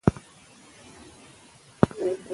هرځل چې واکسین تطبیق شي، وباګانې کنټرول نه باسي.